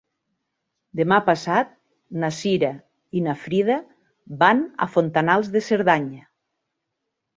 Demà passat na Cira i na Frida van a Fontanals de Cerdanya.